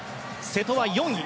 瀬戸は４位。